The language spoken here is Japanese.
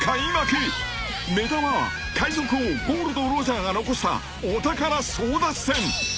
［目玉は海賊王ゴールド・ロジャーが残したお宝争奪戦］